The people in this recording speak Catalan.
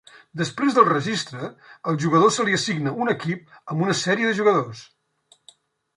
Després del registre, al jugador se li assigna un equip amb una sèrie de jugadors.